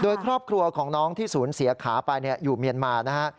โดยครอบครัวของน้องที่ศูนย์เสียขาไปอยู่เมียนมานะฮะ